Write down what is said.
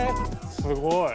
すごい。